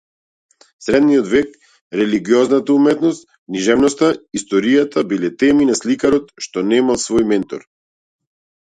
Средниот век, религиозната уметност, книжевноста, историјата, биле теми на сликарот што немал свој ментор.